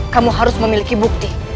kamu harus memiliki bukti